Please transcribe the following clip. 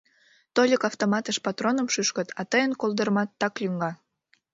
Тольык автоматыш патроным шӱшкыт, а тыйын колдырмат так лӱҥга.